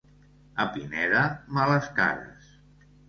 A Pineda, males cares.